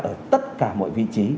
ở tất cả mọi vị trí